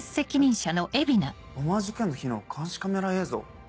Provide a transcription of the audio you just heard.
えっボマー事件の日の監視カメラ映像？